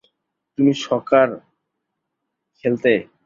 তুমি সকার খেলতে?